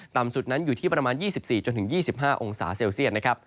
ต่ำสุดนั้นอยู่ที่ประมาณ๒๔๒๕องศาเซลเซียตนะครับ